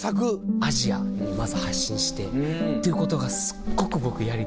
アジアにまず発信してということがすっごく僕やりたい。